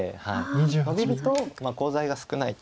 ノビるとコウ材が少ないと。